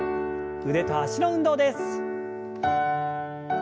腕と脚の運動です。